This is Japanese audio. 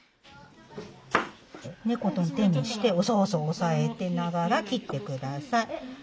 猫の手にしてそうそう押さえてながら切って下さい。